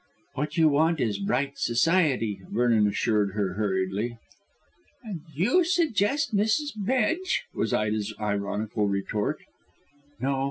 "What you want is bright society," Vernon assured her hurriedly. "And you suggest Mrs. Bedge," was Ida's ironical retort. "No.